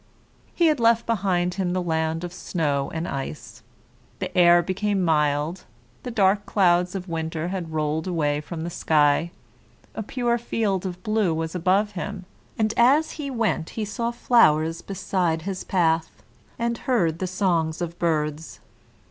He had left behind him the land of snow and ice. The air became mild, the dark clouds of winter had rolled away from the sky; a pure field of blue was above him, and as he went he saw flowers beside his path, and heard the songs of birds.